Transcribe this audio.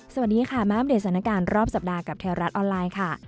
สวัสดีค่ะมาอัปเดตสถานการณ์รอบสัปดาห์กับแถวรัฐออนไลน์ค่ะ